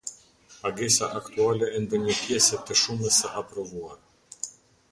Pagesa aktuale e ndonjë pjese të Shumës së Aprovuar.